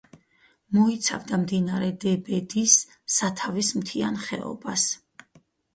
მოიცავდა მდინარე დებედის სათავის მთიან ხეობას.